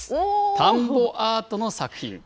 田んぼアートの作品。